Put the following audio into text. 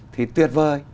thì tuyệt vời